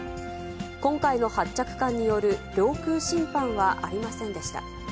今回の発着艦による領空侵犯はありませんでした。